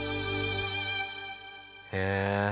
へえ。